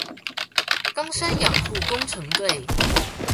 岡山養護工程隊